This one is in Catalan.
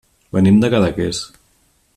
Venim de Cadaqués.